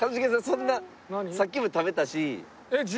そんなさっきも食べたし。